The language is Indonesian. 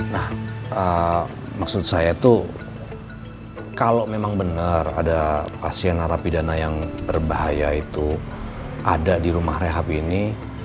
nah maksud saya itu kalau memang benar ada pasien narapidana yang berbahaya itu ada di rumah rehab ini